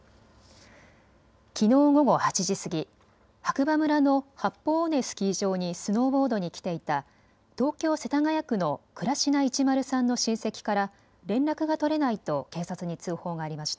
きのう午後８時過ぎ、白馬村の八方尾根スキー場にスノーボードに来ていた東京世田谷区の倉科一丸さんの親戚から連絡が取れないと警察に通報がありました。